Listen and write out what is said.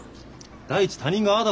第一他人がああだ